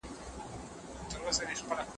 خپل کور او دفتر منظم وساتئ.